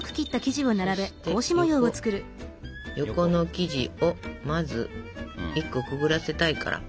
そして横の生地をまず１個くぐらせたいから。